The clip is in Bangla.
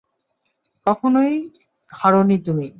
কখনোই হারোনি তুমি।